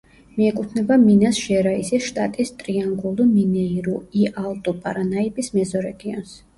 მიეკუთვნება მინას-ჟერაისის შტატის ტრიანგულუ-მინეირუ-ი-ალტუ-პარანაიბის მეზორეგიონს.